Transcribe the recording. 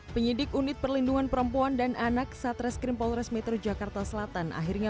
penyidik unit perlindungan perempuan dan anak satreskrim polres metro jakarta selatan akhirnya